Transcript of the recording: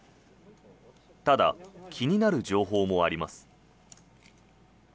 ただ、気になる情報もあります。